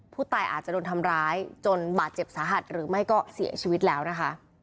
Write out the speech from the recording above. ผู้ตายอาจจะโดนทำร้ายจนบาดเจ็บสาหัสหรือไม่ก็เสียชีวิตแล้วนะคะ